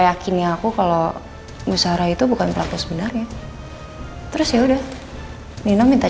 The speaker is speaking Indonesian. yakini aku kalau nusara itu bukan pelaku sebenarnya terus ya udah nino minta